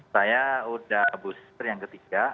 saya sudah booster yang ketiga